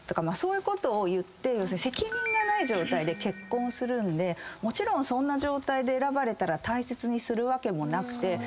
まあそういうことを言って責任がない状態で結婚するんでもちろんそんな状態で選ばれたら大切にするわけもなくて。